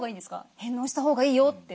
「返納したほうがいいよ」って。